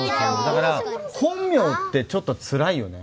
だから本名ってちょっとつらいよね。